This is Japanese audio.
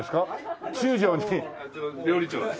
料理長です。